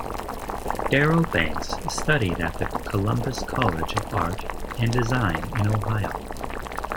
Darryl Banks studied at the Columbus College of Art and Design in Ohio.